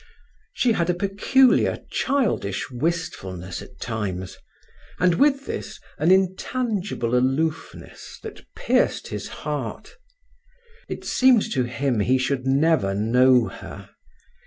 She had a peculiar, childish wistfulness at times, and with this an intangible aloofness that pierced his heart. It seemed to him he should never know her.